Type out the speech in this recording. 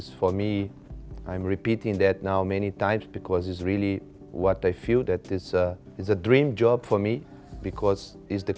ฉันคิดว่านี่เป็นสิ่งที่ฉันรู้สึกความคิดว่านี่เป็นงานที่ฉันคิดว่านี่เป็นสิ่งที่ฉันคิดว่า